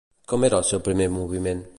Com era el seu primer moviment?